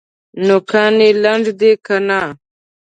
نوکان یې لنډ دي که نه؟